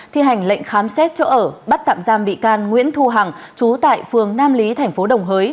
thi hành lệnh khám xét chỗ ở bắt tạm giam bị can nguyễn thu hằng chú tại phường nam lý thành phố đồng hới